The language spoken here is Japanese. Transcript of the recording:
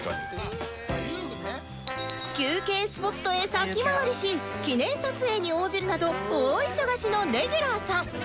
休憩スポットへ先回りし記念撮影に応じるなど大忙しのレギュラーさん